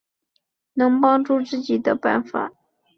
能帮助自己的办法